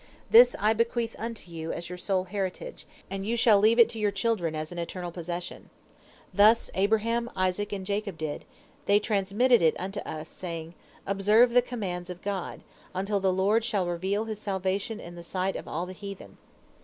This I bequeath unto you as your sole heritage, and you shall leave it to your children as an eternal possession. Thus Abraham, Isaac, and Jacob did, they transmitted it unto us, saying, 'Observe the commands of God, until the Lord shall reveal His salvation in the sight of all the heathen.'